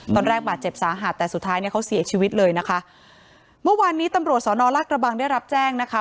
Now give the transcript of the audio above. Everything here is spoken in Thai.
ตอนแรกบาดเจ็บสาหัสแต่สุดท้ายเนี่ยเขาเสียชีวิตเลยนะคะเมื่อวานนี้ตำรวจสอนอลลากระบังได้รับแจ้งนะคะ